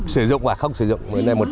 sử dụng và không sử dụng